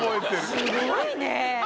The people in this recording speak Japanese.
すごいね。